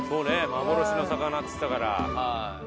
幻の魚っつったから。